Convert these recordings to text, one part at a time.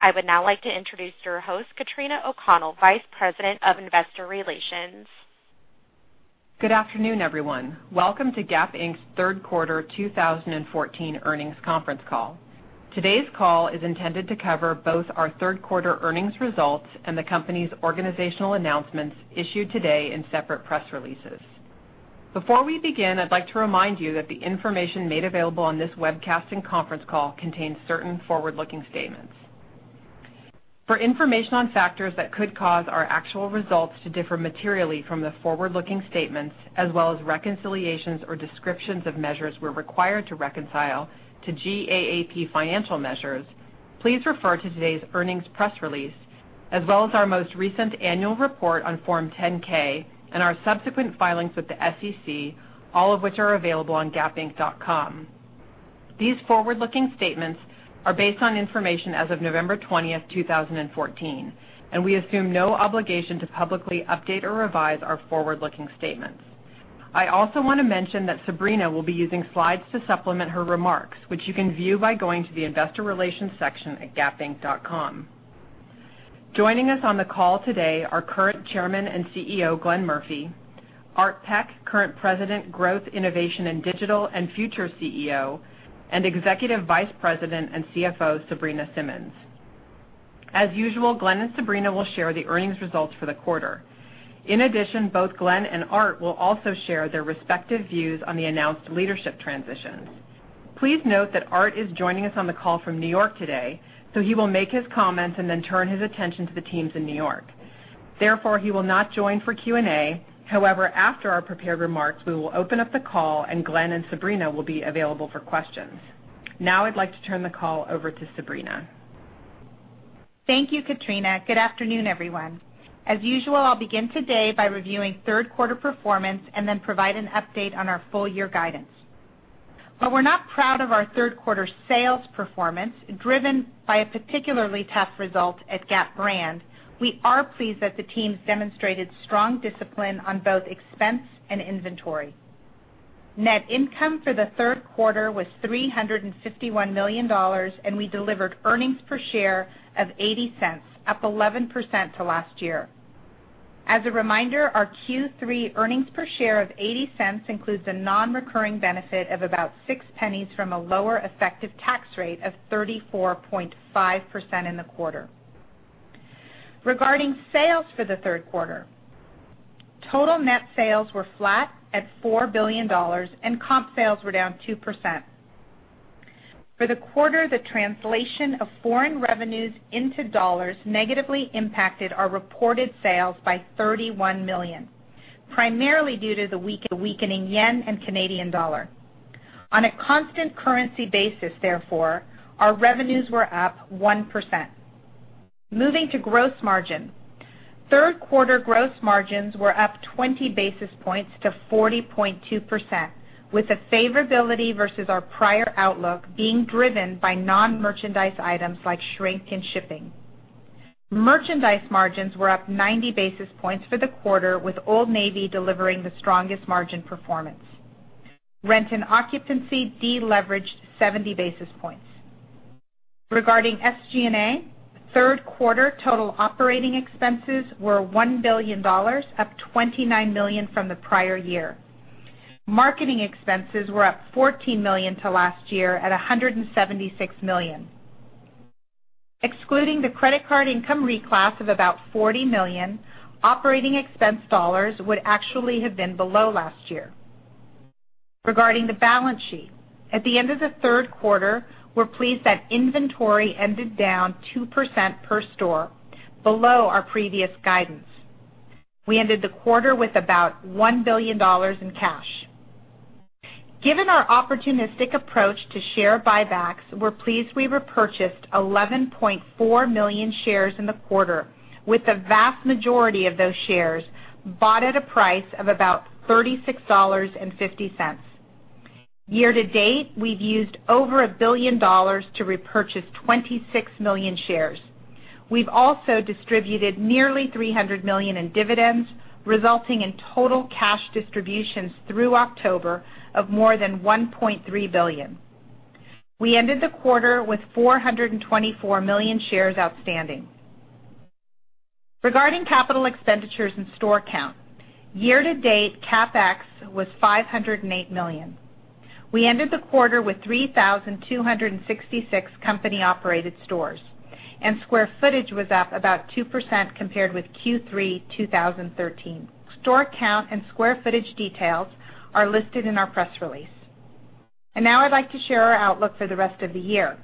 I would now like to introduce your host, Katrina O'Connell, Vice President of Investor Relations. Good afternoon, everyone. Welcome to Gap Inc.'s third quarter 2014 earnings conference call. Today's call is intended to cover both our third quarter earnings results and the company's organizational announcements issued today in separate press releases. Before we begin, I'd like to remind you that the information made available on this webcast and conference call contains certain forward-looking statements. For information on factors that could cause our actual results to differ materially from the forward-looking statements, as well as reconciliations or descriptions of measures we're required to reconcile to GAAP financial measures, please refer to today's earnings press release, as well as our most recent annual report on Form 10-K and our subsequent filings with the SEC, all of which are available on gapinc.com. These forward-looking statements are based on information as of November 20, 2014, and we assume no obligation to publicly update or revise our forward-looking statements. I also want to mention that Sabrina will be using slides to supplement her remarks, which you can view by going to the investor relations section at gapinc.com. Joining us on the call today are current Chairman and CEO, Glenn Murphy; Art Peck, current President, Growth, Innovation and Digital, and future CEO; and Executive Vice President and CFO, Sabrina Simmons. As usual, Glenn and Sabrina will share the earnings results for the quarter. In addition, both Glenn and Art will also share their respective views on the announced leadership transitions. Please note that Art is joining us on the call from New York today, so he will make his comments and then turn his attention to the teams in New York. Therefore, he will not join for Q&A. However, after our prepared remarks, we will open up the call and Glenn and Sabrina will be available for questions. Now I'd like to turn the call over to Sabrina. Thank you, Katrina. Good afternoon, everyone. As usual, I'll begin today by reviewing third quarter performance and then provide an update on our full year guidance. While we're not proud of our third quarter sales performance, driven by a particularly tough result at Gap brand, we are pleased that the teams demonstrated strong discipline on both expense and inventory. Net income for the third quarter was $351 million, and we delivered earnings per share of $0.80, up 11% to last year. As a reminder, our Q3 earnings per share of $0.80 includes a non-recurring benefit of about $0.06 from a lower effective tax rate of 34.5% in the quarter. Regarding sales for the third quarter, total net sales were flat at $4 billion, and comp sales were down 2%. For the quarter, the translation of foreign revenues into dollars negatively impacted our reported sales by $31 million, primarily due to the weakening JPY and CAD. On a constant currency basis, our revenues were up 1%. Moving to gross margin. Third quarter gross margins were up 20 basis points to 40.2%, with a favorability versus our prior outlook being driven by non-merchandise items like shrink and shipping. Merchandise margins were up 90 basis points for the quarter, with Old Navy delivering the strongest margin performance. Rent and occupancy de-leveraged 70 basis points. Regarding SG&A, third quarter total operating expenses were $1 billion, up $29 million from the prior year. Marketing expenses were up $14 million to last year at $176 million. Excluding the credit card income reclass of about $40 million, operating expense dollars would actually have been below last year. Regarding the balance sheet. At the end of the third quarter, we're pleased that inventory ended down 2% per store, below our previous guidance. We ended the quarter with about $1 billion in cash. Given our opportunistic approach to share buybacks, we're pleased we repurchased 11.4 million shares in the quarter, with the vast majority of those shares bought at a price of about $36.50. Year to date, we've used over $1 billion to repurchase 26 million shares. We've also distributed nearly $300 million in dividends, resulting in total cash distributions through October of more than $1.3 billion. We ended the quarter with 424 million shares outstanding. Regarding capital expenditures and store count. Year to date, CapEx was $508 million. We ended the quarter with 3,266 company-operated stores, and square footage was up about 2% compared with Q3 2013. Store count and square footage details are listed in our press release. Now I'd like to share our outlook for the rest of the year.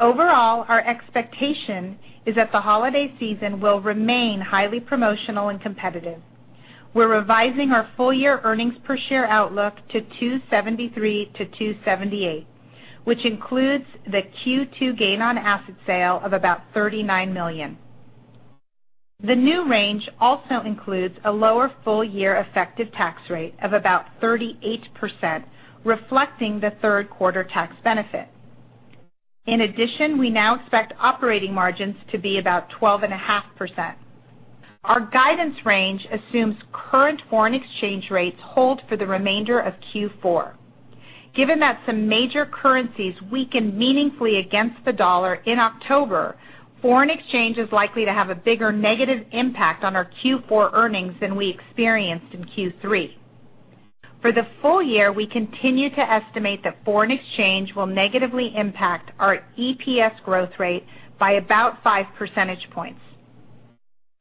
Overall, our expectation is that the holiday season will remain highly promotional and competitive. We're revising our full-year earnings per share outlook to $2.73-$2.78, which includes the Q2 gain on asset sale of about $39 million. The new range also includes a lower full-year effective tax rate of about 38%, reflecting the third quarter tax benefit. In addition, we now expect operating margins to be about 12.5%. Our guidance range assumes current foreign exchange rates hold for the remainder of Q4. Given that some major currencies weakened meaningfully against the dollar in October, foreign exchange is likely to have a bigger negative impact on our Q4 earnings than we experienced in Q3. For the full year, we continue to estimate that foreign exchange will negatively impact our EPS growth rate by about five percentage points.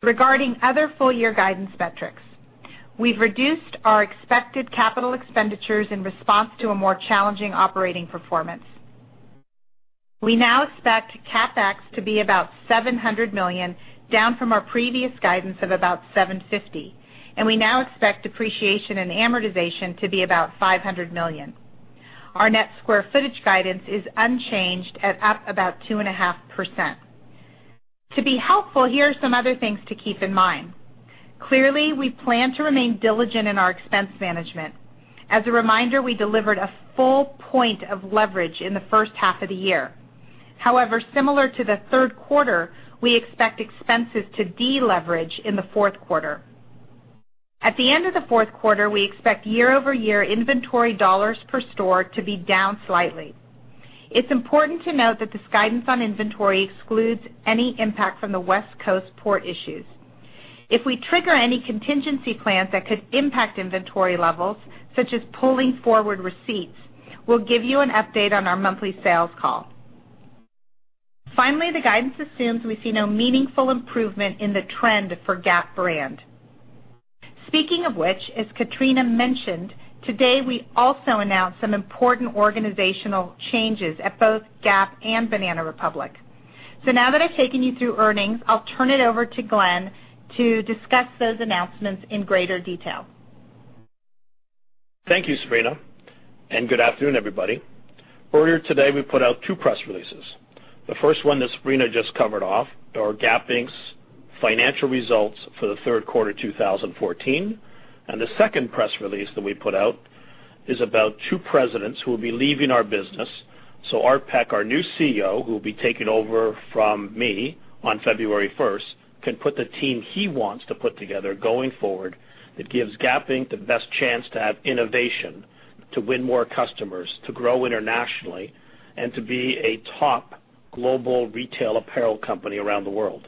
Regarding other full-year guidance metrics, we've reduced our expected capital expenditures in response to a more challenging operating performance. We now expect CapEx to be about $700 million, down from our previous guidance of about $750 million, and we now expect depreciation and amortization to be about $500 million. Our net square footage guidance is unchanged at up about 2.5%. To be helpful, here are some other things to keep in mind. Clearly, we plan to remain diligent in our expense management. As a reminder, we delivered a full point of leverage in the first half of the year. However, similar to the third quarter, we expect expenses to deleverage in the fourth quarter. At the end of the fourth quarter, we expect year-over-year inventory dollars per store to be down slightly. It's important to note that this guidance on inventory excludes any impact from the West Coast port issues. If we trigger any contingency plans that could impact inventory levels, such as pulling forward receipts, we'll give you an update on our monthly sales call. Finally, the guidance assumes we see no meaningful improvement in the trend for Gap brand. Speaking of which, as Katrina mentioned, today we also announced some important organizational changes at both Gap and Banana Republic. Now that I've taken you through earnings, I'll turn it over to Glenn to discuss those announcements in greater detail. Thank you, Sabrina, and good afternoon, everybody. Earlier today, we put out two press releases. The first one that Sabrina just covered off are Gap Inc.'s financial results for the third quarter 2014. The second press release that we put out is about two presidents who will be leaving our business. Art Peck, our new CEO, who will be taking over from me on February 1st, can put the team he wants to put together going forward that gives Gap Inc. the best chance to have innovation, to win more customers, to grow internationally, and to be a top global retail apparel company around the world.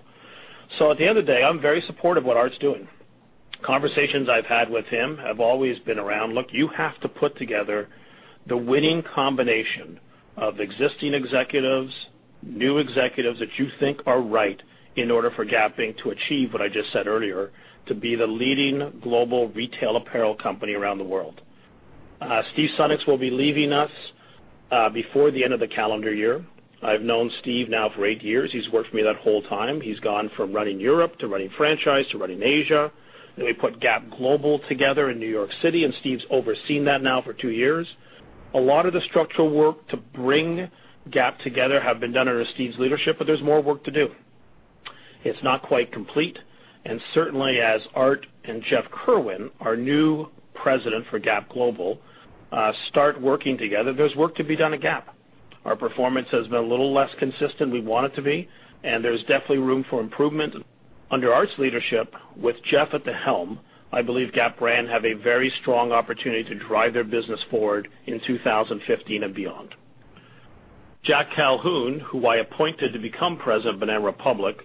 At the end of the day, I'm very supportive of what Art's doing. Conversations I've had with him have always been around, "Look, you have to put together the winning combination of existing executives, new executives that you think are right in order for Gap Inc. to achieve what I just said earlier, to be the leading global retail apparel company around the world." Steve Sunnucks will be leaving us before the end of the calendar year. I've known Steve now for eight years. He's worked for me that whole time. He's gone from running Europe to running franchise to running Asia. We put Gap Global together in New York City, and Steve's overseen that now for two years. A lot of the structural work to bring Gap together have been done under Steve's leadership, but there's more work to do. It's not quite complete, certainly as Art and Jeff Kirwan, our new president for Gap Global, start working together, there's work to be done at Gap. Our performance has been a little less consistent we want it to be, and there's definitely room for improvement. Under Art's leadership with Jeff at the helm, I believe Gap brand have a very strong opportunity to drive their business forward in 2015 and beyond. Jack Calhoun, who I appointed to become president of Banana Republic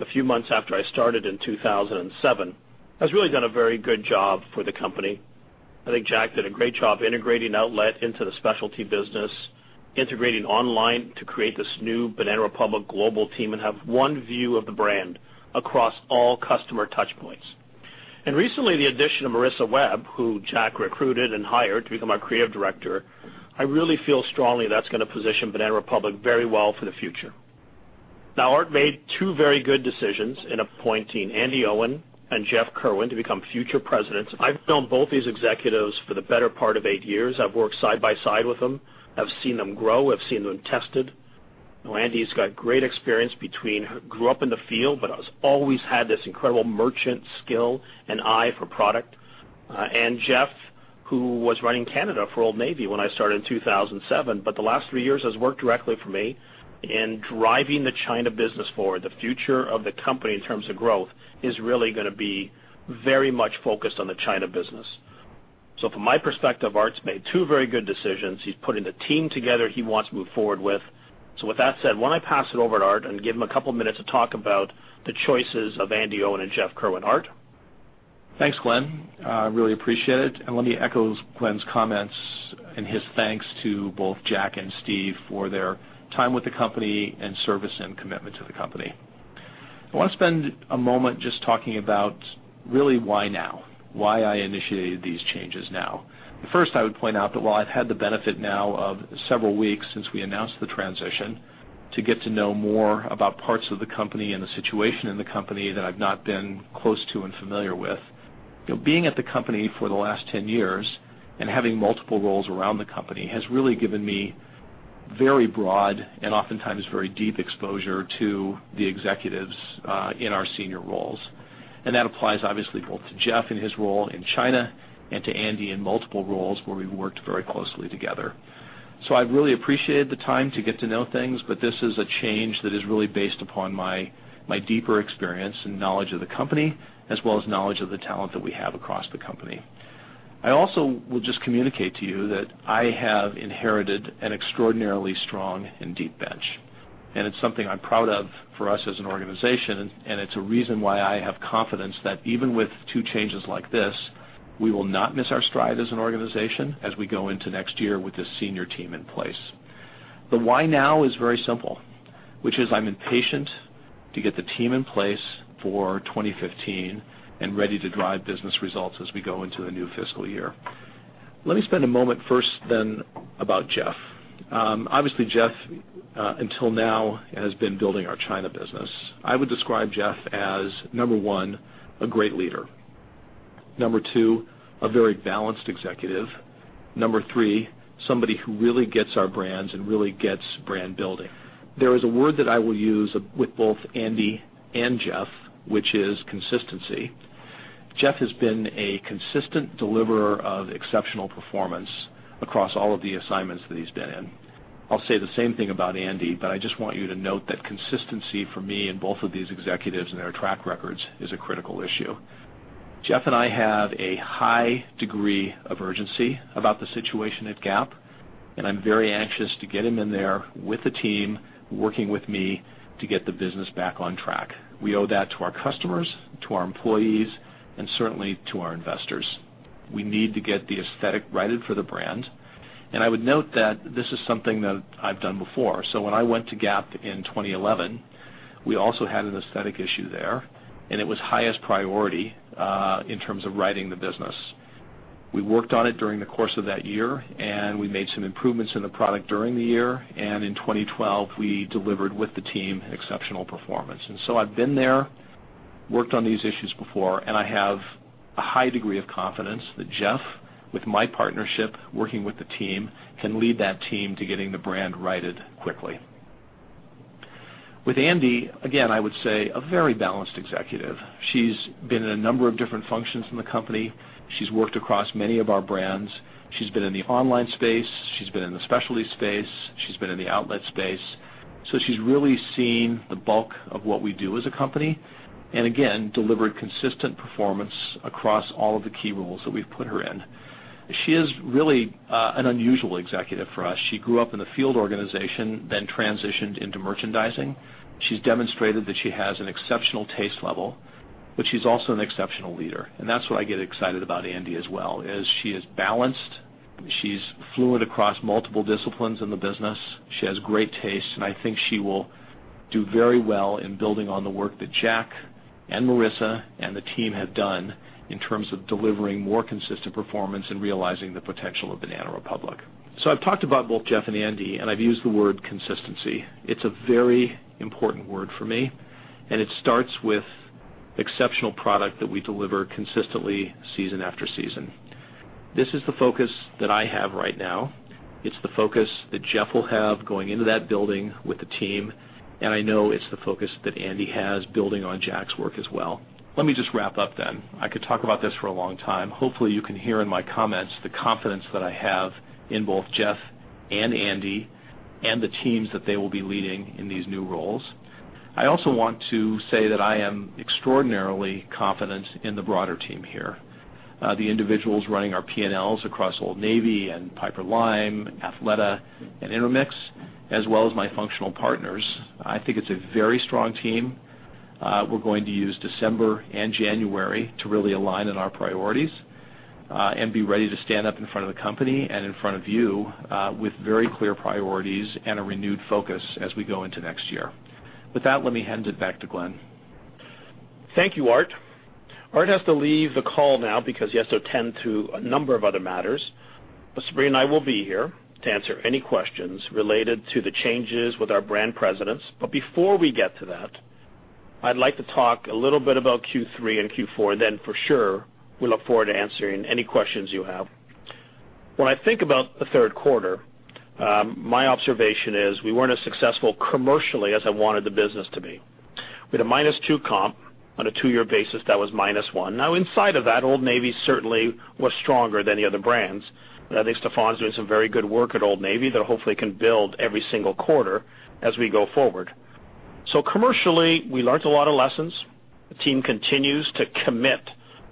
a few months after I started in 2007, has really done a very good job for the company. I think Jack did a great job integrating outlet into the specialty business, integrating online to create this new Banana Republic global team, and have one view of the brand across all customer touch points. Recently, the addition of Marissa Webb, who Jack recruited and hired to become our creative director, I really feel strongly that's going to position Banana Republic very well for the future. Now, Art made two very good decisions in appointing Andi Owen and Jeff Kirwan to become future presidents. I've known both these executives for the better part of eight years. I've worked side by side with them. I've seen them grow. I've seen them tested. Andi's got great experience between grew up in the field, but has always had this incredible merchant skill and eye for product. Jeff, who was running Canada for Old Navy when I started in 2007, but the last three years has worked directly for me in driving the China business forward. The future of the company in terms of growth is really going to be very much focused on the China business. From my perspective, Art's made two very good decisions. He's putting the team together he wants to move forward with. With that said, why don't I pass it over to Art and give him a couple of minutes to talk about the choices of Andi Owen and Jeff Kirwan. Art? Thanks, Glenn. I really appreciate it. Let me echo Glenn's comments and his thanks to both Jack and Steve for their time with the company and service and commitment to the company. I want to spend a moment just talking about really why now, why I initiated these changes now. First, I would point out that while I've had the benefit now of several weeks since we announced the transition to get to know more about parts of the company and the situation in the company that I've not been close to and familiar with. Being at the company for the last 10 years and having multiple roles around the company has really given me very broad and oftentimes very deep exposure to the executives in our senior roles. That applies obviously both to Jeff in his role in China and to Andi in multiple roles where we've worked very closely together. I've really appreciated the time to get to know things, but this is a change that is really based upon my deeper experience and knowledge of the company, as well as knowledge of the talent that we have across the company. I also will just communicate to you that I have inherited an extraordinarily strong and deep bench, and it's something I'm proud of for us as an organization, and it's a reason why I have confidence that even with two changes like this, we will not miss our stride as an organization as we go into next year with this senior team in place. The why now is very simple, which is I'm impatient to get the team in place for 2015 and ready to drive business results as we go into the new fiscal year. Let me spend a moment first then about Jeff. Obviously, Jeff, until now, has been building our China business. I would describe Jeff as, number one, a great leader. Number two, a very balanced executive. Number three, somebody who really gets our brands and really gets brand building. There is a word that I will use with both Andi and Jeff, which is consistency. Jeff has been a consistent deliverer of exceptional performance across all of the assignments that he's been in. I'll say the same thing about Andi, but I just want you to note that consistency for me in both of these executives and their track records is a critical issue. Jeff and I have a high degree of urgency about the situation at Gap, and I'm very anxious to get him in there with the team, working with me to get the business back on track. We owe that to our customers, to our employees, and certainly to our investors. We need to get the aesthetic righted for the brand, and I would note that this is something that I've done before. When I went to Gap in 2011, we also had an aesthetic issue there, and it was highest priority, in terms of righting the business. We worked on it during the course of that year, and we made some improvements in the product during the year. In 2012, we delivered, with the team, exceptional performance. I've been there, worked on these issues before, and I have a high degree of confidence that Jeff, with my partnership, working with the team, can lead that team to getting the brand righted quickly. With Andi, again, I would say a very balanced executive. She's been in a number of different functions in the company. She's worked across many of our brands. She's been in the online space. She's been in the specialty space. She's been in the outlet space. She's really seen the bulk of what we do as a company, and again, delivered consistent performance across all of the key roles that we've put her in. She is really an unusual executive for us. She grew up in the field organization, then transitioned into merchandising. She's demonstrated that she has an exceptional taste level, but she's also an exceptional leader. That's what I get excited about Andi as well, she is balanced. She's fluent across multiple disciplines in the business. She has great taste, and I think she will do very well in building on the work that Jack and Marissa and the team have done in terms of delivering more consistent performance and realizing the potential of Banana Republic. I've talked about both Jeff and Andi, and I've used the word consistency. It's a very important word for me, and it starts with exceptional product that we deliver consistently season after season. This is the focus that I have right now. It's the focus that Jeff will have going into that building with the team, and I know it's the focus that Andi has building on Jack's work as well. Let me just wrap up. I could talk about this for a long time. Hopefully, you can hear in my comments the confidence that I have in both Jeff and Andi and the teams that they will be leading in these new roles. I also want to say that I am extraordinarily confident in the broader team here. The individuals running our P&Ls across Old Navy and Piperlime, Athleta, and Intermix, as well as my functional partners. I think it's a very strong team. We're going to use December and January to really align on our priorities, and be ready to stand up in front of the company and in front of you with very clear priorities and a renewed focus as we go into next year. With that, let me hand it back to Glenn. Thank you, Art. Art has to leave the call now because he has to attend to a number of other matters. Sabrina and I will be here to answer any questions related to the changes with our brand presidents. Before we get to that, I'd like to talk a little bit about Q3 and Q4, for sure, we look forward to answering any questions you have. When I think about the third quarter, my observation is we weren't as successful commercially as I wanted the business to be. We had a minus two comp. On a two-year basis, that was minus one. Inside of that, Old Navy certainly was stronger than the other brands. I think Stefan's doing some very good work at Old Navy that hopefully can build every single quarter as we go forward. Commercially, we learned a lot of lessons. The team continues to commit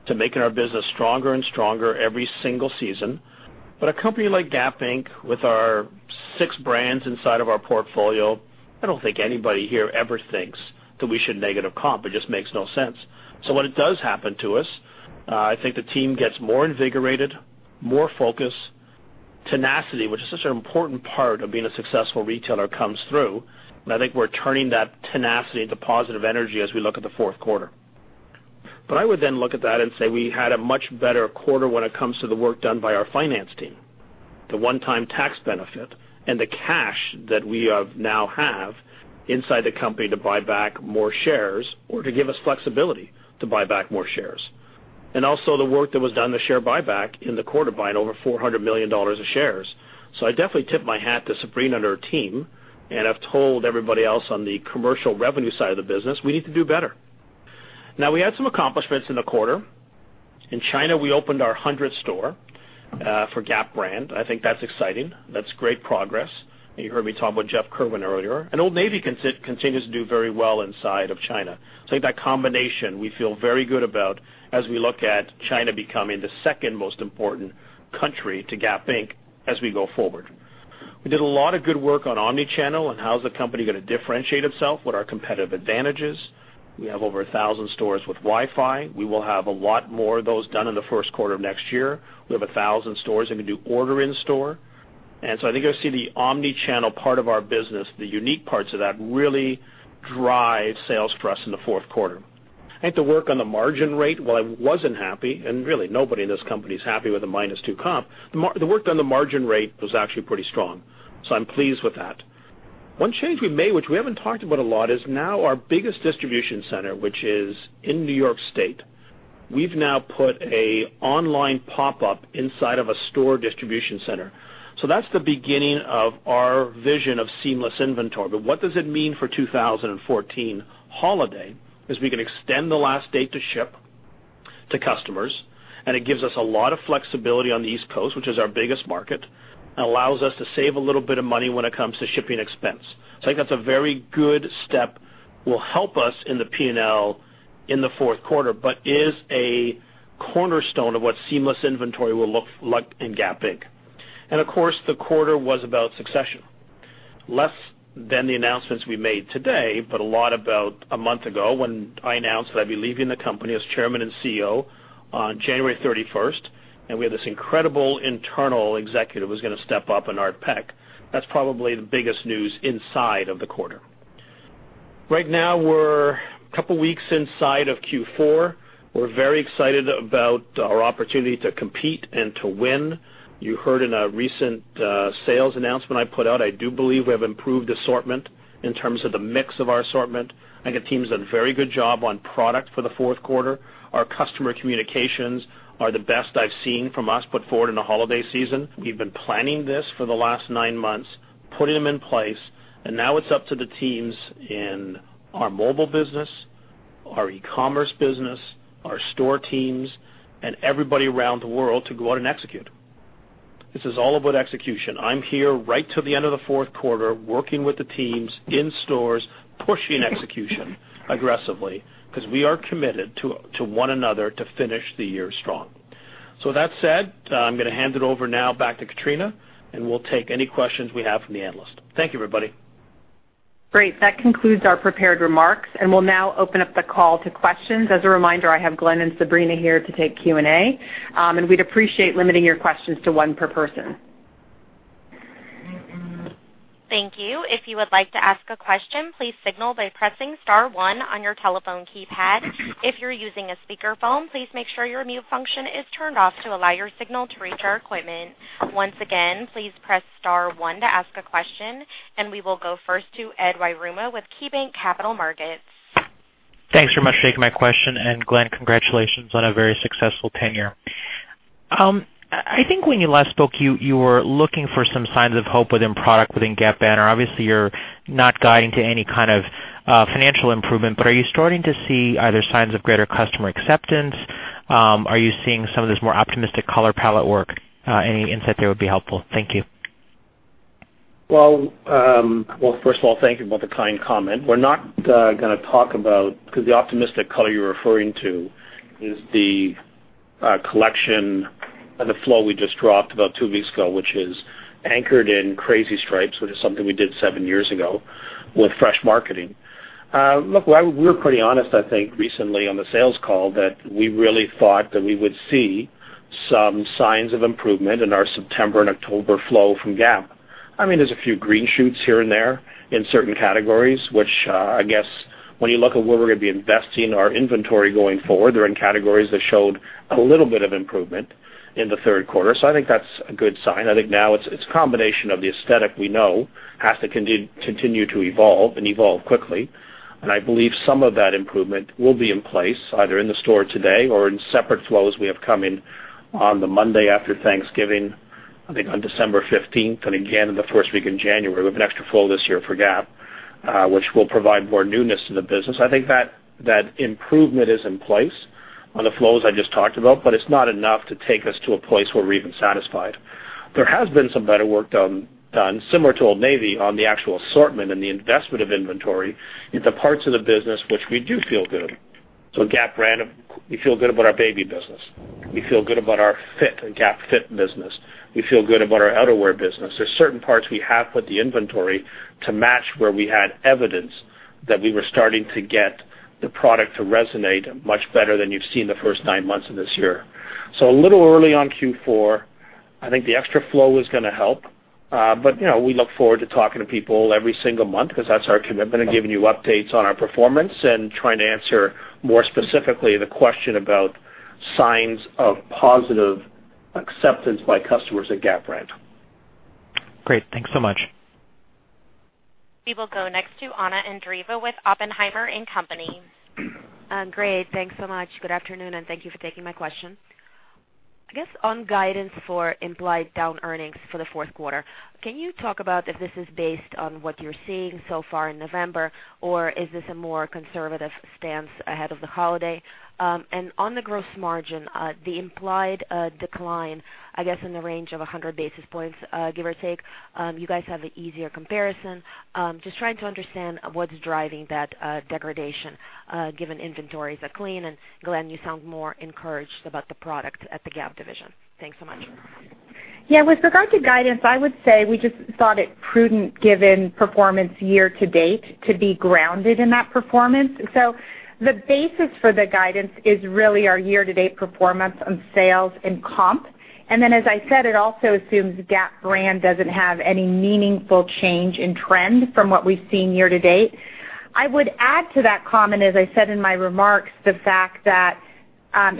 to making our business stronger and stronger every single season. A company like Gap Inc, with our six brands inside of our portfolio, I don't think anybody here ever thinks that we should negative comp. It just makes no sense. When it does happen to us, I think the team gets more invigorated, more focused. Tenacity, which is such an important part of being a successful retailer, comes through, and I think we're turning that tenacity into positive energy as we look at the fourth quarter. I would look at that and say we had a much better quarter when it comes to the work done by our finance team. The one-time tax benefit and the cash that we now have inside the company to buy back more shares or to give us flexibility to buy back more shares. The work that was done, the share buyback in the quarter, buying over $400 million of shares. I definitely tip my hat to Sabrina and her team, and I've told everybody else on the commercial revenue side of the business we need to do better. We had some accomplishments in the quarter. In China, we opened our 100th store for Gap brand. I think that's exciting. That's great progress. You heard me talk about Jeff Kirwan earlier. Old Navy continues to do very well inside of China. I think that combination, we feel very good about as we look at China becoming the second most important country to Gap Inc., as we go forward. We did a lot of good work on omni-channel and how's the company going to differentiate itself, what are our competitive advantages. We have over 1,000 stores with Wi-Fi. We will have a lot more of those done in the first quarter of next year. We have 1,000 stores that can do order in store. I think you'll see the omni-channel part of our business, the unique parts of that, really drive sales for us in the fourth quarter. I think the work on the margin rate, while I wasn't happy, and really, nobody in this company's happy with the minus 2 comp, the work on the margin rate was actually pretty strong. I'm pleased with that. One change we made, which we haven't talked about a lot, is now our biggest distribution center, which is in N.Y. State. We've now put an online pop-up inside of a store distribution center. That's the beginning of our vision of seamless inventory. What does it mean for 2014 holiday? It means we can extend the last date to ship to customers, and it gives us a lot of flexibility on the East Coast, which is our biggest market, and allows us to save a little bit of money when it comes to shipping expense. I think that's a very good step, will help us in the P&L in the fourth quarter, but is a cornerstone of what seamless inventory will look like in Gap Inc. Of course, the quarter was about succession. Less than the announcements we made today, but a lot about a month ago when I announced that I'd be leaving the company as Chairman and CEO on January 31st, and we had this incredible internal executive who was going to step up in Art Peck. That's probably the biggest news inside of the quarter. Right now, we're a couple of weeks inside of Q4. We're very excited about our opportunity to compete and to win. You heard in a recent sales announcement I put out, I do believe we have improved assortment in terms of the mix of our assortment. I think the team's done a very good job on product for the fourth quarter. Our customer communications are the best I've seen from us put forward in a holiday season. We've been planning this for the last nine months, putting them in place, and now it's up to the teams in our mobile business, our e-commerce business, our store teams, and everybody around the world to go out and execute. This is all about execution. I'm here right to the end of the fourth quarter, working with the teams in stores, pushing execution aggressively, because we are committed to one another to finish the year strong. That said, I'm going to hand it over now back to Katrina, and we'll take any questions we have from the analysts. Thank you, everybody. Great. That concludes our prepared remarks, and we'll now open up the call to questions. As a reminder, I have Glenn and Sabrina here to take Q&A. We'd appreciate limiting your questions to one per person. Thank you. If you would like to ask a question, please signal by pressing *1 on your telephone keypad. If you're using a speakerphone, please make sure your mute function is turned off to allow your signal to reach our equipment. Once again, please press *1 to ask a question, and we will go first to Edward Yruma with KeyBanc Capital Markets. Thanks very much for taking my question. Glenn, congratulations on a very successful tenure. I think when you last spoke, you were looking for some signs of hope within product within Gap brand. Obviously, you're not guiding to any kind of financial improvement, but are you starting to see either signs of greater customer acceptance? Are you seeing some of this more optimistic color palette work? Any insight there would be helpful. Thank you. Well, first of all, thank you about the kind comment. The optimistic color you're referring to is the collection and the flow we just dropped about 2 weeks ago, which is anchored in crazy stripes, which is something we did 7 years ago with fresh marketing. Look, we were pretty honest, I think, recently on the sales call that we really thought that we would see some signs of improvement in our September and October flow from Gap. There's a few green shoots here and there in certain categories, which I guess when you look at where we're going to be investing our inventory going forward, they're in categories that showed a little bit of improvement in the third quarter. I think that's a good sign. I think now it's a combination of the aesthetic we know has to continue to evolve and evolve quickly. I believe some of that improvement will be in place, either in the store today or in separate flows we have coming on the Monday after Thanksgiving, I think on December 15th, and again, in the first week in January. We have an extra flow this year for Gap, which will provide more newness in the business. I think that improvement is in place on the flows I just talked about, but it's not enough to take us to a place where we're even satisfied. There has been some better work done, similar to Old Navy, on the actual assortment and the investment of inventory into parts of the business which we do feel good. Gap brand, we feel good about our baby business. We feel good about our GapFit business. We feel good about our outerwear business. There's certain parts we have put the inventory to match where we had evidence that we were starting to get the product to resonate much better than you've seen the first 9 months of this year. A little early on Q4, I think the extra flow is going to help. We look forward to talking to people every single month because that's our commitment, and giving you updates on our performance and trying to answer more specifically the question about signs of positive acceptance by customers at Gap brand. Great. Thanks so much. We will go next to Anna Andreeva with Oppenheimer & Co. Inc. Great. Thanks so much. Good afternoon, and thank you for taking my question. I guess on guidance for implied down earnings for the fourth quarter, can you talk about if this is based on what you're seeing so far in November, or is this a more conservative stance ahead of the holiday? On the gross margin, the implied decline, I guess in the range of 100 basis points, give or take. You guys have the easier comparison. Just trying to understand what's driving that degradation given inventories are clean. Glenn, you sound more encouraged about the product at the Gap division. Thanks so much. Yeah. With regard to guidance, I would say we just thought it prudent given performance year to date to be grounded in that performance. The basis for the guidance is really our year-to-date performance on sales and comp. Then, as I said, it also assumes Gap brand doesn't have any meaningful change in trend from what we've seen year to date. I would add to that comment, as I said in my remarks, the fact that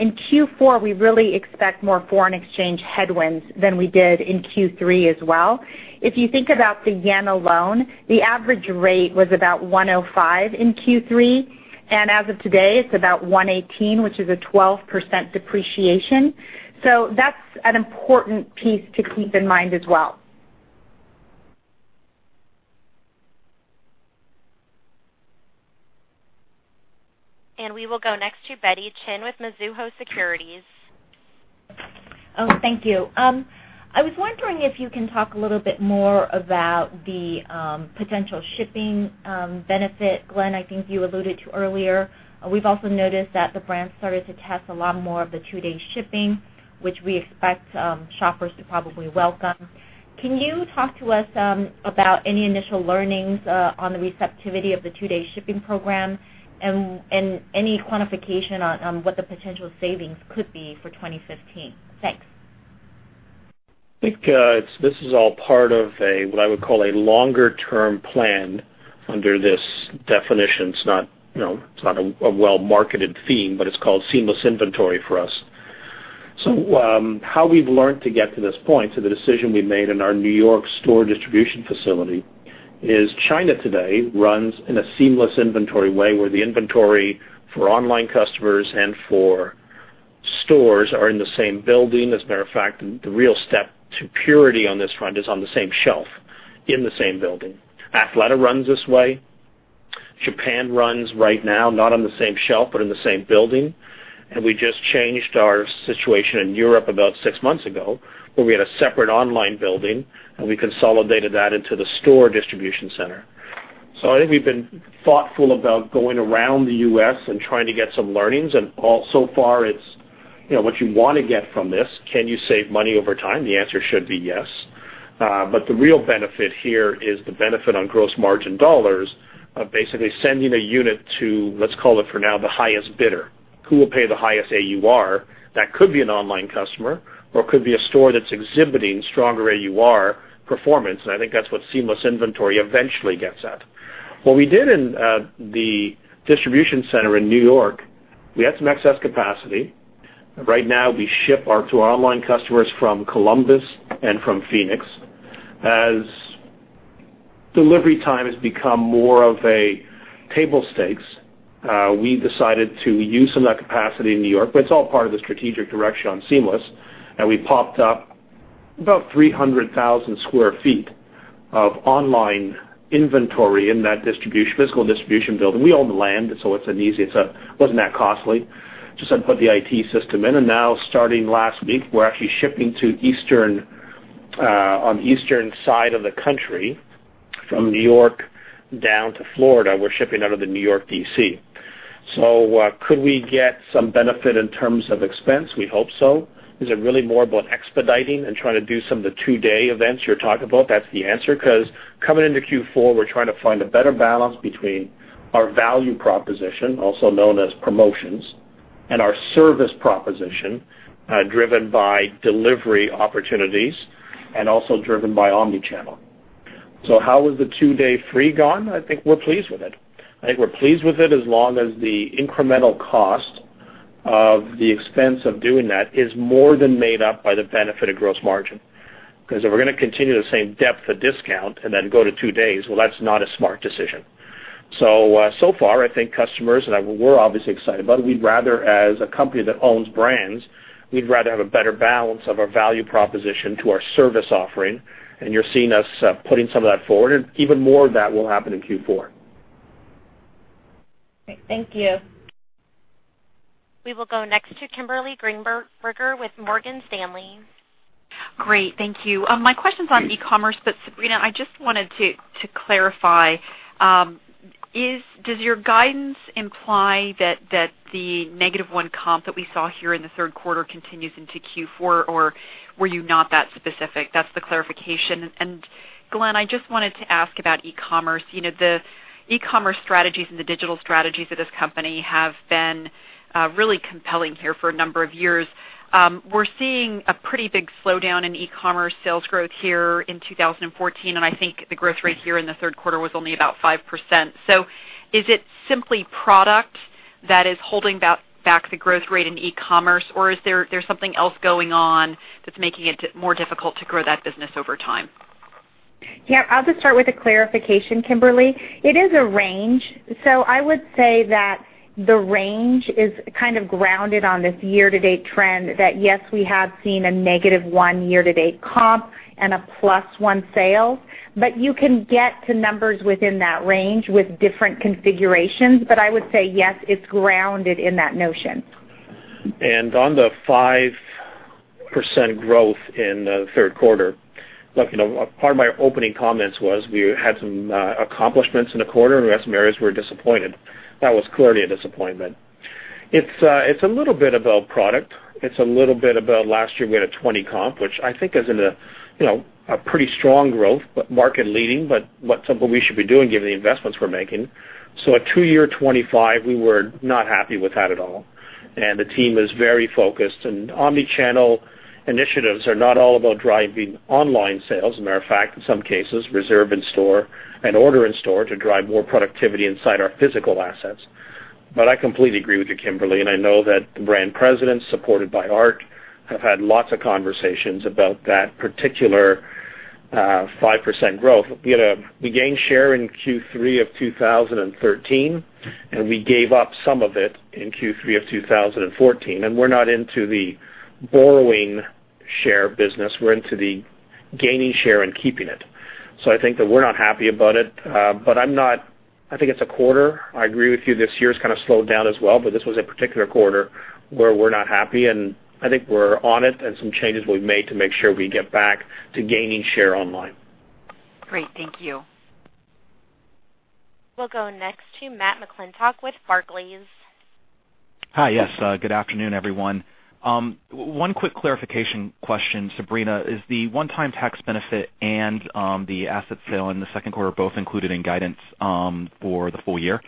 in Q4, we really expect more foreign exchange headwinds than we did in Q3 as well. If you think about the yen alone, the average rate was about 105 in Q3, and as of today it's about 118, which is a 12% depreciation. That's an important piece to keep in mind as well. We will go next to Betty Chen with Mizuho Securities. Oh, thank you. I was wondering if you can talk a little bit more about the potential shipping benefit, Glenn, I think you alluded to earlier. We've also noticed that the brand started to test a lot more of the two-day shipping, which we expect shoppers to probably welcome. Can you talk to us about any initial learnings on the receptivity of the two-day shipping program and any quantification on what the potential savings could be for 2015? Thanks. I think this is all part of a, what I would call a longer-term plan under this definition. It's not a well-marketed theme, but it's called seamless inventory for us. How we've learned to get to this point, to the decision we've made in our New York store distribution facility, is China today runs in a seamless inventory way, where the inventory for online customers and for stores are in the same building. As a matter of fact, the real step to purity on this front is on the same shelf in the same building. Athleta runs this way. Japan runs right now, not on the same shelf, but in the same building. We just changed our situation in Europe about six months ago, where we had a separate online building, and we consolidated that into the store distribution center. I think we've been thoughtful about going around the U.S. and trying to get some learnings. So far it's what you want to get from this. Can you save money over time? The answer should be yes. The real benefit here is the benefit on gross margin dollars of basically sending a unit to, let's call it for now, the highest bidder. Who will pay the highest AUR. That could be an online customer or could be a store that's exhibiting stronger AUR performance, and I think that's what seamless inventory eventually gets at. What we did in the distribution center in New York, we had some excess capacity. Right now, we ship to our online customers from Columbus and from Phoenix. As delivery time has become more of a table stakes, we decided to use some of that capacity in New York. It's all part of the strategic direction on Seamless. We popped up about 300,000 sq ft of online inventory in that physical distribution building. We own the land, it wasn't that costly. Just had to put the IT system in. Now, starting last week, we're actually shipping on the eastern side of the country, from New York down to Florida. We're shipping out of the New York DC. Could we get some benefit in terms of expense? We hope so. Is it really more about expediting and trying to do some of the two-day events you're talking about? That's the answer. Coming into Q4, we're trying to find a better balance between our value proposition, also known as promotions, and our service proposition, driven by delivery opportunities and also driven by omni-channel. How has the two-day free gone? I think we're pleased with it. I think we're pleased with it as long as the incremental cost of the expense of doing that is more than made up by the benefit of gross margin. If we're going to continue the same depth of discount and then go to two days, well, that's not a smart decision. So far, I think customers, and we're obviously excited about it. We'd rather, as a company that owns brands, have a better balance of our value proposition to our service offering. You're seeing us putting some of that forward. Even more of that will happen in Q4. Great. Thank you. We will go next to Kimberly Greenberger with Morgan Stanley. Great. Thank you. My question's on e-commerce, Sabrina, I just wanted to clarify. Does your guidance imply that the negative one comp that we saw here in the third quarter continues into Q4, or were you not that specific? That's the clarification. Glenn, I just wanted to ask about e-commerce. The e-commerce strategies and the digital strategies of this company have been really compelling here for a number of years. We're seeing a pretty big slowdown in e-commerce sales growth here in 2014, and I think the growth rate here in the third quarter was only about 5%. Is it simply product that is holding back the growth rate in e-commerce, or is there something else going on that's making it more difficult to grow that business over time? I'll just start with a clarification, Kimberly. It is a range. I would say that the range is kind of grounded on this year-to-date trend that, yes, we have seen a negative one year-to-date comp and a plus one sale. You can get to numbers within that range with different configurations. I would say yes, it's grounded in that notion. On the 5% growth in the third quarter. Part of my opening comments was we had some accomplishments in the quarter, and some areas were disappointed. That was clearly a disappointment. It's a little bit about product. It's a little bit about last year we had a 20 comp, which I think is a pretty strong growth, market leading, but something we should be doing given the investments we're making. A two-year 25, we were not happy with that at all, and the team is very focused. Omni-channel initiatives are not all about driving online sales. Matter of fact, in some cases, Reserve in Store and order in store to drive more productivity inside our physical assets. I completely agree with you, Kimberly, and I know that the brand presidents, supported by Art, have had lots of conversations about that particular 5% growth. We gained share in Q3 2013. We gave up some of it in Q3 2014. We're not into the borrowing share business. We're into the gaining share and keeping it. I think that we're not happy about it. I think it's a quarter. I agree with you, this year's kind of slowed down as well, but this was a particular quarter where we're not happy. I think we're on it. Some changes we've made to make sure we get back to gaining share online. Great. Thank you. We'll go next to Matt McClintock with Barclays. Hi. Yes. Good afternoon, everyone. One quick clarification question, Sabrina. Is the one-time tax benefit and the asset sale in the second quarter both included in guidance for the full year?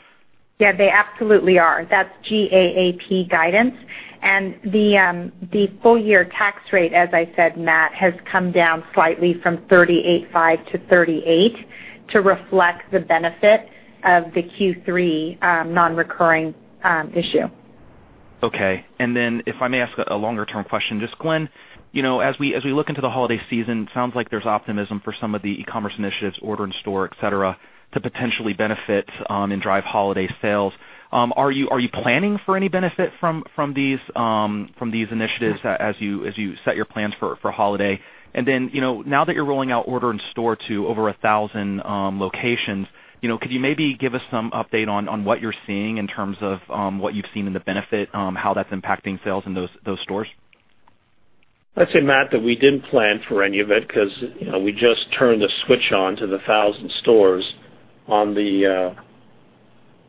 Yeah, they absolutely are. That's GAAP guidance. The full year tax rate, as I said, Matt, has come down slightly from 38.5 to 38 to reflect the benefit of the Q3 non-recurring issue. Okay. If I may ask a longer-term question. Glenn, as we look into the holiday season, sounds like there's optimism for some of the e-commerce initiatives, order in store, et cetera, to potentially benefit and drive holiday sales. Are you planning for any benefit from these initiatives as you set your plans for holiday? Now that you're rolling out order in store to over 1,000 locations, could you maybe give us some update on what you're seeing in terms of what you've seen in the benefit, how that's impacting sales in those stores? I'd say, Matt, that we didn't plan for any of it because we just turned the switch on to the 1,000 stores on the,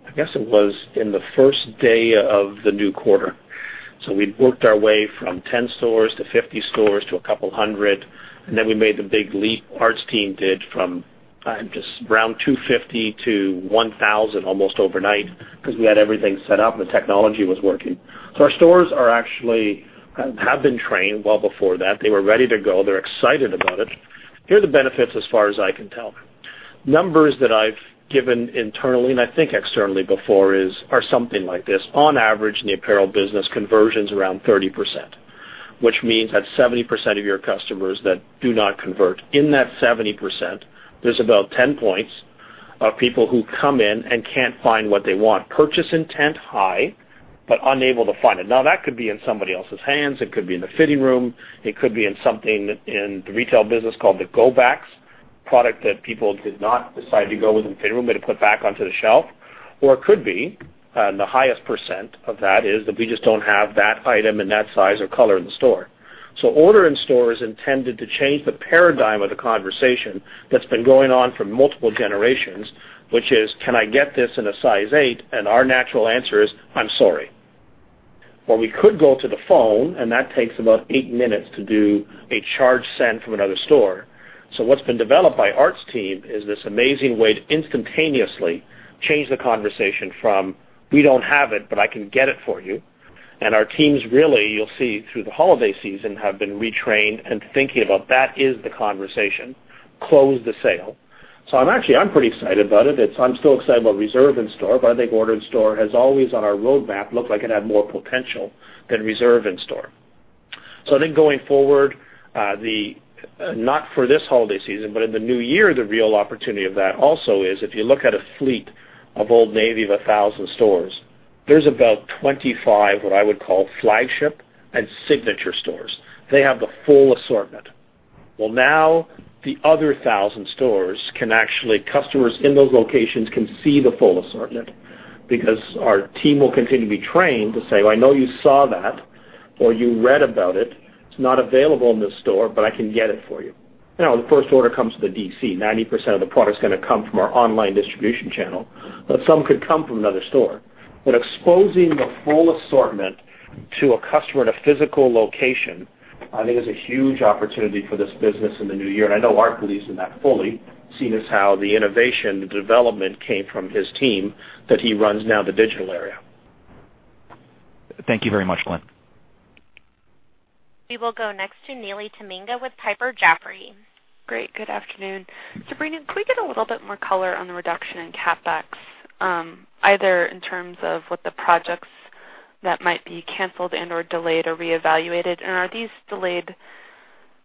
I guess it was in the first day of the new quarter. We worked our way from 10 stores to 50 stores to a couple of hundred, and then we made the big leap, Art's team did, from just around 250 to 1,000 almost overnight because we had everything set up and the technology was working. Our stores actually have been trained well before that. They were ready to go. They're excited about it. Here are the benefits as far as I can tell. Numbers that I've given internally, and I think externally before are something like this. On average, in the apparel business, conversion's around 30%, which means that 70% of your customers that do not convert. In that 70%, there's about 10 points of people who come in and can't find what they want. Purchase intent high, but unable to find it. That could be in somebody else's hands. It could be in the fitting room. It could be in something in the retail business called the go backs, product that people did not decide to go with in the fitting room, but they put back onto the shelf. It could be, and the highest % of that is that we just don't have that item in that size or color in the store. order in store is intended to change the paradigm of the conversation that's been going on for multiple generations, which is, "Can I get this in a size 8?" Our natural answer is, "I'm sorry." Or we could go to the phone, and that takes about 8 minutes to do a charge send from another store. What's been developed by Art's team is this amazing way to instantaneously change the conversation from, "We don't have it, but I can get it for you." Our teams really, you'll see through the holiday season, have been retrained and thinking about that is the conversation. Close the sale. Actually, I'm pretty excited about it. I'm still excited about reserve in store, but I think order in store has always, on our roadmap, looked like it had more potential than reserve in store. I think going forward, not for this holiday season, but in the new year, the real opportunity of that also is if you look at a fleet of Old Navy of 1,000 stores, there's about 25 what I would call flagship and signature stores. They have the full assortment. Now the other 1,000 stores can actually, customers in those locations can see the full assortment because our team will continue to be trained to say, "I know you saw that or you read about it. It's not available in this store, but I can get it for you." The first order comes to the DC. 90% of the product's going to come from our online distribution channel, but some could come from another store. Exposing the full assortment to a customer in a physical location, I think, is a huge opportunity for this business in the new year. I know Art believes in that fully, seeing as how the innovation, the development came from his team, that he runs now the digital area. Thank you very much, Glenn. We will go next to Neely Tamminga with Piper Jaffray. Great. Good afternoon. Sabrina, can we get a little bit more color on the reduction in CapEx, either in terms of what the projects that might be canceled and/or delayed or reevaluated? Are these delayed,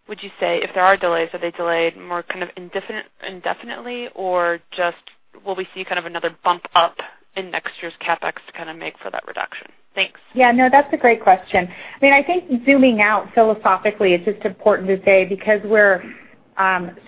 would you say, if there are delays, are they delayed more kind of indefinitely, or just will we see kind of another bump up in next year's CapEx to kind of make for that reduction? Thanks. Yeah, no. That's a great question. I think zooming out philosophically, it's just important to say because we're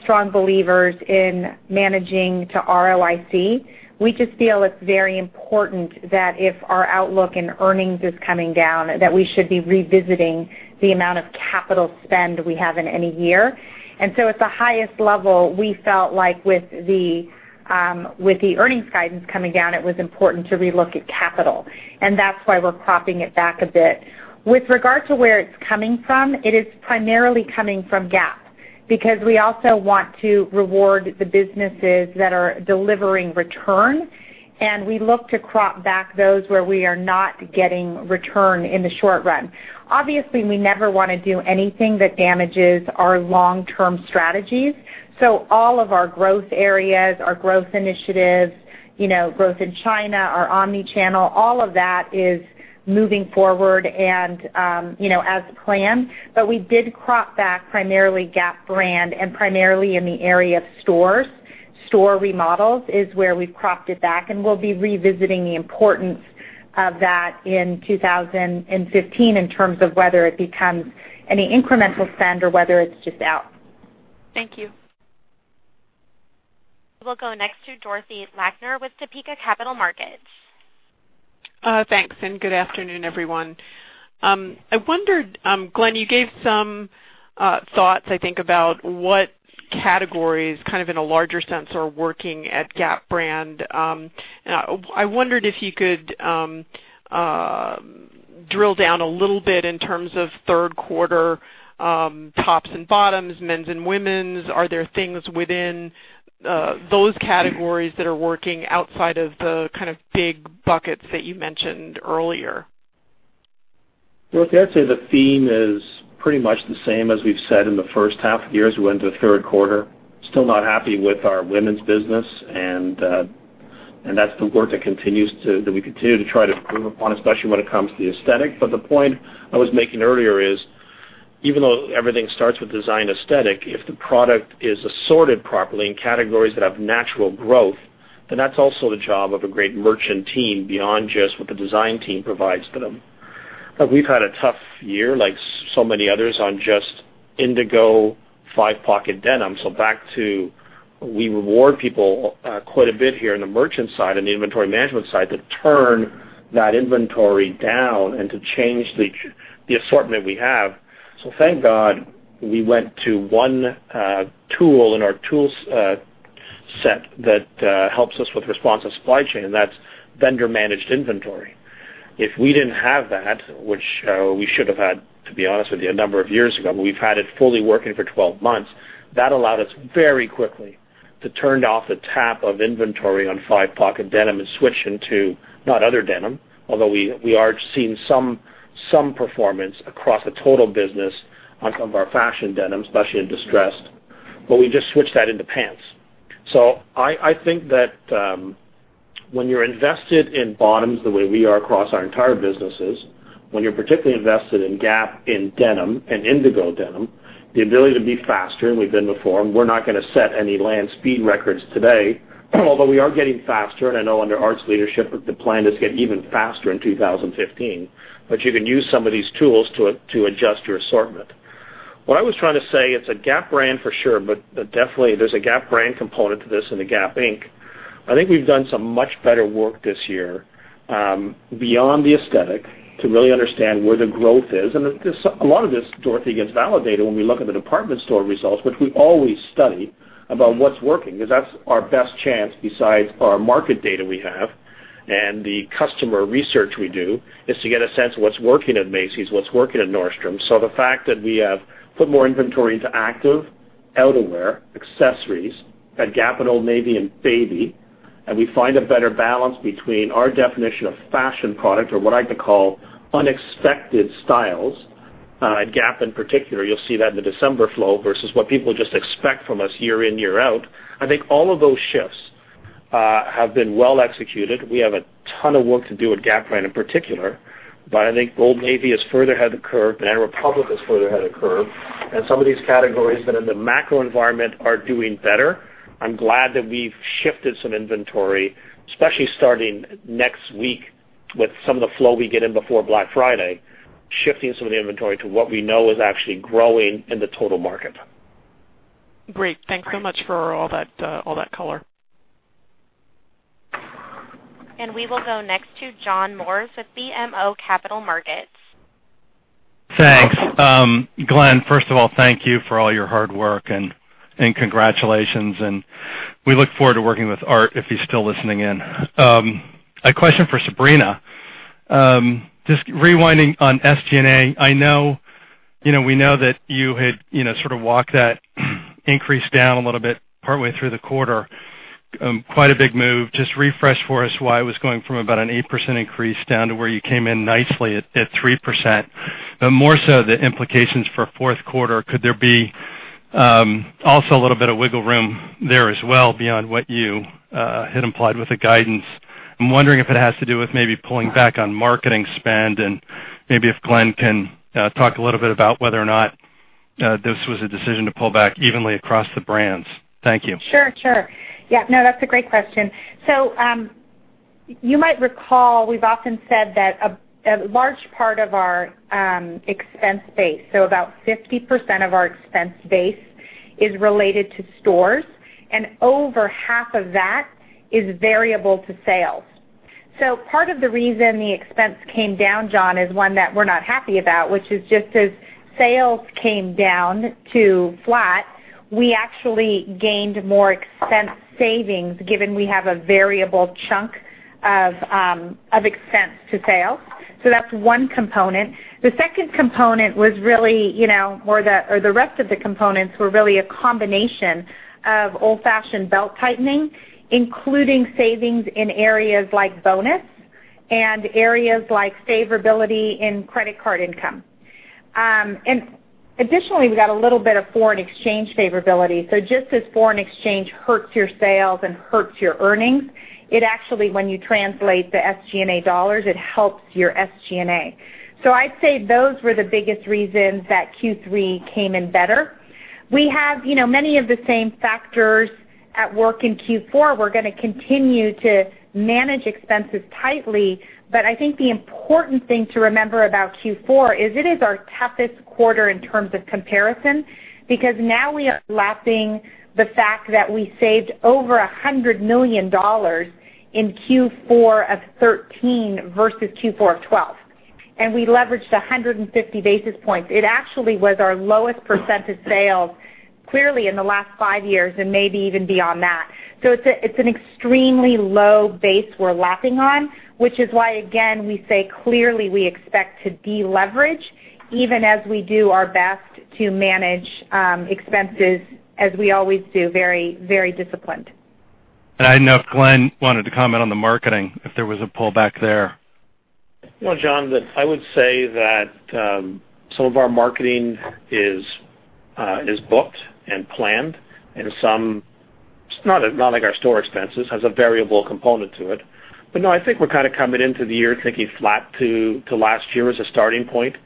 Strong believers in managing to ROIC. We just feel it's very important that if our outlook and earnings is coming down, that we should be revisiting the amount of capital spend we have in any year. At the highest level, we felt like with the earnings guidance coming down, it was important to relook at capital, and that's why we're cropping it back a bit. With regard to where it's coming from, it is primarily coming from Gap, because we also want to reward the businesses that are delivering return, and we look to crop back those where we are not getting return in the short run. Obviously, we never want to do anything that damages our long-term strategies. All of our growth areas, our growth initiatives, growth in China, our omni-channel, all of that is moving forward and as planned. We did crop back primarily Gap brand and primarily in the area of stores. Store remodels is where we've cropped it back, and we'll be revisiting the importance of that in 2015 in terms of whether it becomes any incremental spend or whether it's just out. Thank you. We'll go next to Dorothy Lakner with Topeka Capital Markets. Thanks. Good afternoon, everyone. Glenn, you gave some thoughts, I think, about what categories kind of in a larger sense are working at Gap brand. I wondered if you could drill down a little bit in terms of third quarter tops and bottoms, men's and women's. Are there things within those categories that are working outside of the big buckets that you mentioned earlier? Dorothy, I'd say the theme is pretty much the same as we've said in the first half of the year as we went into the third quarter. Still not happy with our women's business, and that's the work that we continue to try to improve upon, especially when it comes to the aesthetic. The point I was making earlier is, even though everything starts with design aesthetic, if the product is assorted properly in categories that have natural growth, that's also the job of a great merchant team beyond just what the design team provides for them. We've had a tough year, like so many others, on just indigo five-pocket denim. Back to we reward people quite a bit here in the merchant side and the inventory management side to turn that inventory down and to change the assortment we have. Thank God we went to one tool in our tool set that helps us with responsive supply chain, and that's vendor-managed inventory. If we didn't have that, which we should have had, to be honest with you, a number of years ago, we've had it fully working for 12 months. That allowed us very quickly to turn off the tap of inventory on five-pocket denim and switch into, not other denim, although we are seeing some performance across the total business on some of our fashion denim, especially in distressed, we just switched that into pants. I think that when you're invested in bottoms the way we are across our entire businesses, when you're particularly invested in Gap in denim and indigo denim, the ability to be faster, we've been before, we're not going to set any land speed records today, although we are getting faster, I know under Art's leadership, the plan is to get even faster in 2015. You can use some of these tools to adjust your assortment. What I was trying to say, it's a Gap brand for sure, but definitely there's a Gap brand component to this in the Gap Inc. I think we've done some much better work this year beyond the aesthetic to really understand where the growth is. A lot of this, Dorothy, gets validated when we look at the department store results, which we always study about what's working, because that's our best chance besides our market data we have and the customer research we do, is to get a sense of what's working at Macy's, what's working at Nordstrom. The fact that we have put more inventory into active, outerwear, accessories at Gap and Old Navy and Baby, we find a better balance between our definition of fashion product or what I could call unexpected styles at Gap in particular. You'll see that in the December flow versus what people just expect from us year in, year out. I think all of those shifts have been well executed. We have a ton of work to do at Gap Brand in particular, I think Old Navy is further ahead of the curve. Banana Republic is further ahead of curve. Some of these categories that in the macro environment are doing better. I'm glad that we've shifted some inventory, especially starting next week with some of the flow we get in before Black Friday, shifting some of the inventory to what we know is actually growing in the total market. Great. Thanks so much for all that color. We will go next to John Morris with BMO Capital Markets. Thanks. Glenn, first of all, thank you for all your hard work, and congratulations. We look forward to working with Art if he's still listening in. A question for Sabrina. Just rewinding on SG&A, we know that you had sort of walked that increase down a little bit partway through the quarter. Quite a big move. Just refresh for us why it was going from about an 8% increase down to where you came in nicely at 3%. More so the implications for fourth quarter. Could there be also a little bit of wiggle room there as well beyond what you had implied with the guidance? I'm wondering if it has to do with maybe pulling back on marketing spend, and maybe if Glenn can talk a little bit about whether or not this was a decision to pull back evenly across the brands. Thank you. Sure. No, that's a great question. You might recall, we've often said that a large part of our expense base, about 50% of our expense base, is related to stores, and over half of that is variable to sales. Part of the reason the expense came down, John, is one that we're not happy about, which is just as sales came down to flat, we actually gained more expense savings, given we have a variable chunk of expense to sales. That's one component. The rest of the components were really a combination of old-fashioned belt-tightening, including savings in areas like bonus and areas like favorability in credit card income. Additionally, we got a little bit of foreign exchange favorability. Just as foreign exchange hurts your sales and hurts your earnings, it actually, when you translate the SG&A dollars, it helps your SG&A. I'd say those were the biggest reasons that Q3 came in better. We have many of the same factors at work in Q4. We're going to continue to manage expenses tightly. But I think the important thing to remember about Q4 is it is our toughest quarter in terms of comparison, because now we are lapping the fact that we saved over $100 million in Q4 of 2013 versus Q4 of 2012. We leveraged 150 basis points. It actually was our lowest percent of sales, clearly in the last five years and maybe even beyond that. It's an extremely low base we're lapping on, which is why, again, we say, clearly, we expect to deleverage even as we do our best to manage expenses as we always do, very disciplined. I didn't know if Glenn wanted to comment on the marketing, if there was a pullback there. John, I would say that some of our marketing is booked and planned, and some, it's not like our store expenses, has a variable component to it. No, I think we're kind of coming into the year thinking flat to last year as a starting point.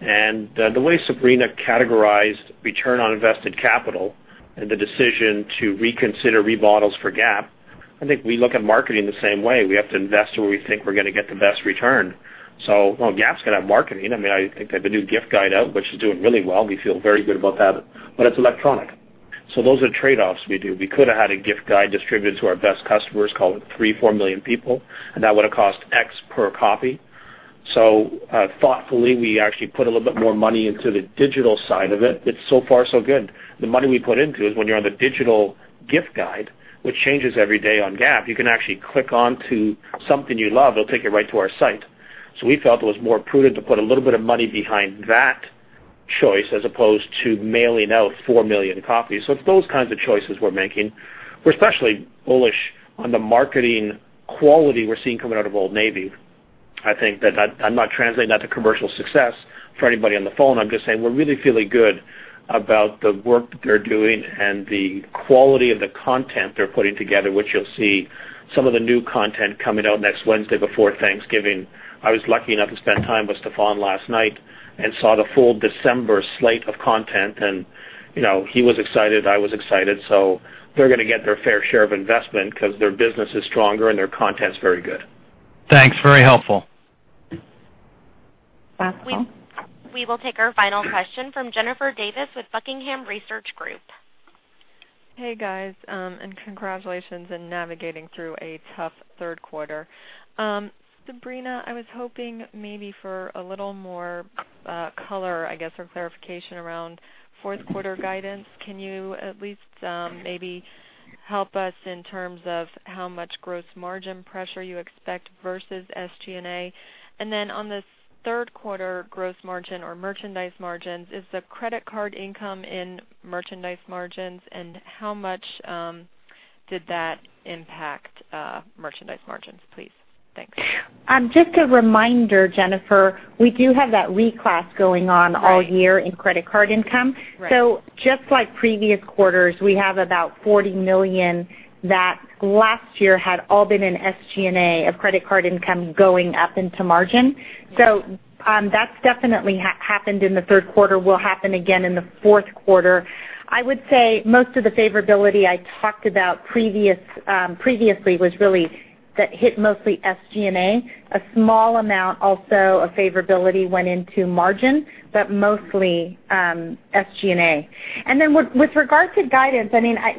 The way Sabrina categorized return on invested capital and the decision to reconsider remodels for Gap, I think we look at marketing the same way. We have to invest where we think we're going to get the best return. While Gap's going to have marketing, I think they have a new gift guide out, which is doing really well. We feel very good about that. It's electronic. Those are trade-offs we do. We could have had a gift guide distributed to our best customers, call it three, four million people, and that would've cost X per copy. Thoughtfully, we actually put a little bit more money into the digital side of it. It's so far, so good. The money we put into is when you're on the digital gift guide, which changes every day on Gap, you can actually click onto something you love. It'll take you right to our site. We felt it was more prudent to put a little bit of money behind that choice as opposed to mailing out 4 million copies. It's those kinds of choices we're making. We're especially bullish on the marketing quality we're seeing coming out of Old Navy. I'm not translating that to commercial success for anybody on the phone. I'm just saying we're really feeling good about the work that they're doing and the quality of the content they're putting together, which you'll see some of the new content coming out next Wednesday before Thanksgiving. I was lucky enough to spend time with Stefan last night and saw the full December slate of content. He was excited, I was excited. They're going to get their fair share of investment because their business is stronger and their content's very good. Thanks. Very helpful. Pascal. We will take our final question from Jennifer Davis with Buckingham Research Group. Hey, guys, congratulations in navigating through a tough third quarter. Sabrina, I was hoping maybe for a little more color, I guess, or clarification around fourth quarter guidance. Can you at least maybe help us in terms of how much gross margin pressure you expect versus SG&A? On this third quarter gross margin or merchandise margins, is the credit card income in merchandise margins, and how much did that impact merchandise margins, please? Thanks. Just a reminder, Jennifer, we do have that reclass going on all year in credit card income. Right. Just like previous quarters, we have about $40 million that last year had all been in SG&A of credit card income going up into margin. That's definitely happened in the third quarter, will happen again in the fourth quarter. I would say most of the favorability I talked about previously was really that hit mostly SG&A. A small amount also of favorability went into margin, but mostly SG&A. With regard to guidance,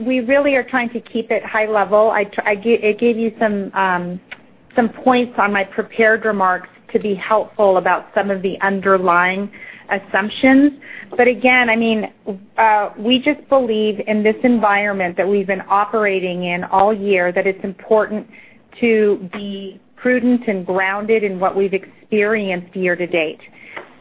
we really are trying to keep it high level. I gave you some points on my prepared remarks to be helpful about some of the underlying assumptions. Again, we just believe in this environment that we've been operating in all year that it's important to be prudent and grounded in what we've experienced year to date.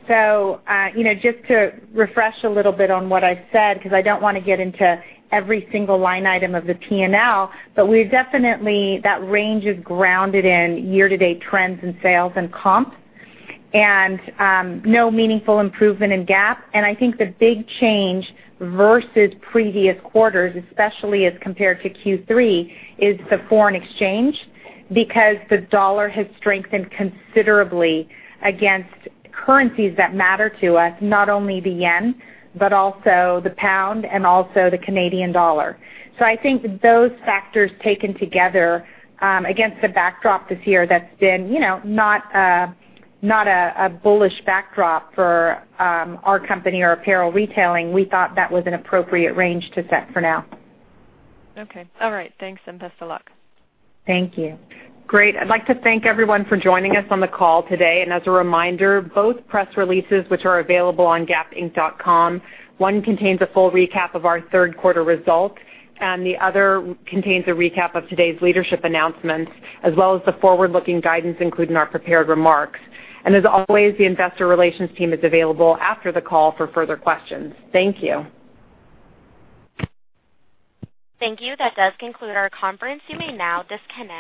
Just to refresh a little bit on what I said, because I don't want to get into every single line item of the P&L, but we definitely, that range is grounded in year-to-date trends in sales and comp, and no meaningful improvement in Gap. I think the big change versus previous quarters, especially as compared to Q3, is the foreign exchange, because the dollar has strengthened considerably against currencies that matter to us, not only the yen, but also the pound and also the Canadian dollar. I think those factors taken together against the backdrop this year that's been not a bullish backdrop for our company or apparel retailing, we thought that was an appropriate range to set for now. Okay. All right. Thanks, and best of luck. Thank you. Great. I'd like to thank everyone for joining us on the call today. As a reminder, both press releases, which are available on gapinc.com, one contains a full recap of our third quarter results, and the other contains a recap of today's leadership announcements as well as the forward-looking guidance, including our prepared remarks. As always, the investor relations team is available after the call for further questions. Thank you. Thank you. That does conclude our conference. You may now disconnect.